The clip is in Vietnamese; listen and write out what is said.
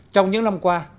trong những năm qua